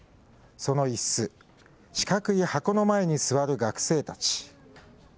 その一室、四角い箱の前に座る学生たち。